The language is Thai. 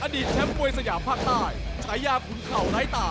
อดีตแชมป์มวยสยามภาคใต้ชายาคุณเข่าน้ายตา